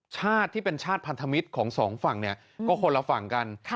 ชาติที่เป็นชาติพันธมิตรของสองฝั่งเนี่ยก็คนละฝั่งกัน